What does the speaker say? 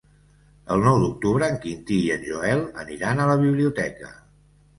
El nou d'octubre en Quintí i en Joel aniran a la biblioteca.